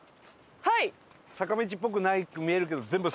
はい！